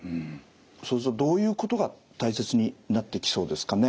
そうするとどういうことが大切になってきそうですかね？